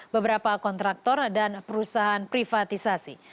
beberapa kontraktor dan perusahaan privatisasi